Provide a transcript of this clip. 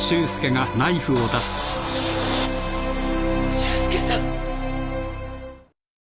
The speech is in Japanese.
修介さん！？